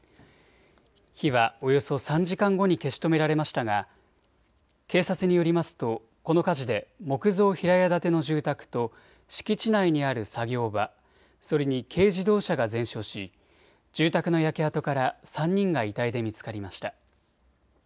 火はおよそ３時間後に消し止められましたが警察によりますとこの火事で木造平屋建ての住宅と敷地内にある作業場、それに軽自動車が全焼し、住宅の焼け跡から３人が遺体で見つかりました。